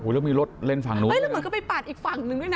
แล้วมีรถเล่นฝั่งนู้นไม่แล้วเหมือนก็ไปปาดอีกฝั่งหนึ่งด้วยนะ